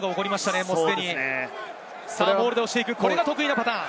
モールで押していく、これが得意なパターン。